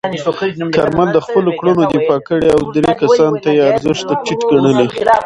کارمل د خپلو کړنو دفاع کړې او درې کسانو ته یې ارزښت ټیټ ګڼلی.